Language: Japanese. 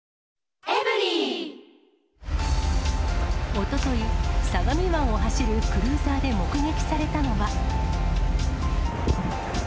おととい、相模湾を走るクルーザーで目撃されたのは。